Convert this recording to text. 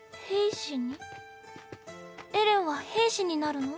エレンは兵士になるの？